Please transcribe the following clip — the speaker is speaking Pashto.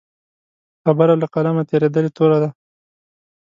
خبره له قلمه تېرېدلې توره ده.